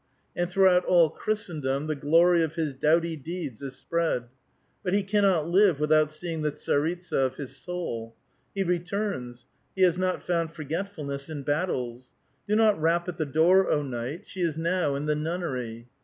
And throughout all Christendom the glory of his doughty deeds is spread. But he cannot live without seeing the tsaritsa of his soul. He returns ; he has not found forgetfulness in battles. "Do not rap at the door, O knight ; she is now in the nunnery."